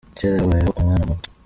Kera habayeho umwanamuto.